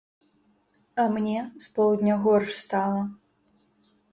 А мне, з поўдня горш стала.